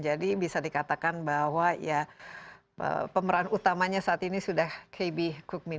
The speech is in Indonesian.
jadi bisa dikatakan bahwa ya pemeran utamanya saat ini sudah kb kukmin